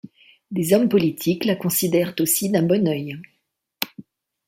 Des hommes politiques la considèrent aussi d'un bon œil.